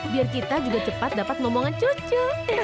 biar kita juga cepat dapat memohon cucu